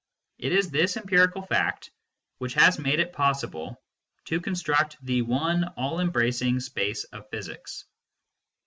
It is this empirical fact which has made it possible to construct the one all embracing space of physics.